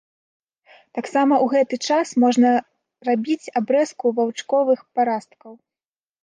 Таксама ў гэты час можна рабіць абрэзку ваўчковых парасткаў.